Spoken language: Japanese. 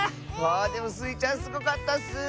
あでもスイちゃんすごかったッス！